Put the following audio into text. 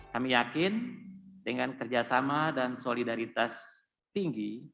kami yakin dengan kerjasama dan solidaritas tinggi